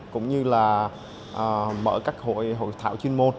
cũng như là mở kế hoạch